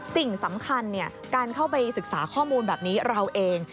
สิ่งสำคัญการเข้าไปศึกษาข้อมูลแบบนี้เราเอง